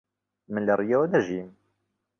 من لە ڕیۆ دەژیم.